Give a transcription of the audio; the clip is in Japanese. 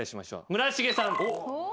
村重さん。